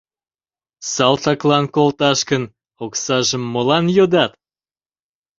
— Салтаклан колташ гын, оксажым молан йодат?